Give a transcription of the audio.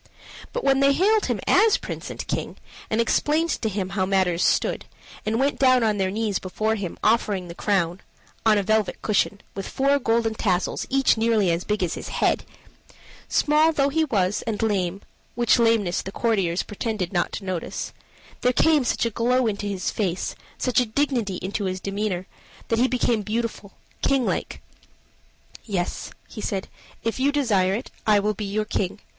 But when they hailed him as Prince and King, and explained to him how matters stood, and went down on their knees before him, offering the crown (on a velvet cushion, with four golden tassels, each nearly as big as his head), small though he was and lame, which lameness the courtiers pretended not to notice, there came such a glow into his face, such a dignity into his demeanor, that he became beautiful, king like. "Yes," he said, "if you desire it, I will be your king.